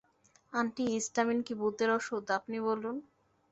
Anti histamine কি ভূতের অষুধ, আপনি বলুন?